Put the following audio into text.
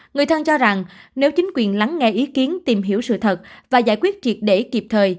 người thân cho rằng nếu chính quyền lắng nghe ý kiến tìm hiểu sự thật và giải quyết triệt để kịp thời